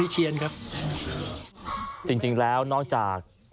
จริงแล้วนอกจาก